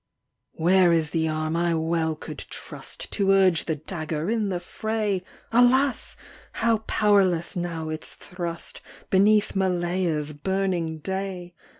Where is the arm I well could trust To urge the dagger in the fray ? Alas ! how powerless now its thrust, Beneath Malaya's burning day